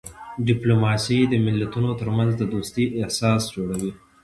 ډیپلوماسي د ملتونو ترمنځ د دوستۍ اساس جوړوي.